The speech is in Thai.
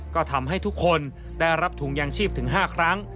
ก็ทำให้ทุกคนได้รับถุงยางชีพถึง๕ครั้ง